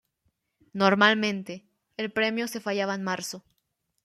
Normalmente, el premio se fallaba en marzo.